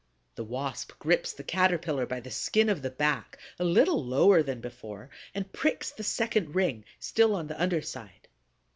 The Wasp grips the Caterpillar by the skin of the back, a little lower than before, and pricks the second ring, still on the under side.